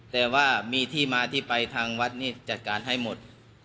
แต่ว่ามีที่มาที่ไปทางวัดนี่จัดการให้หมด